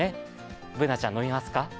Ｂｏｏｎａちゃん、飲みますか？